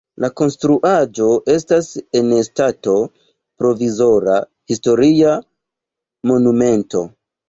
La konstruaĵo estas en stato provizora historia monumento.